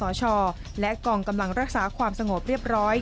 และนี่จึงเป็นสาเหตุที่ทำให้คศและกล่องกำลังรักษาความสงบเรียบร้อย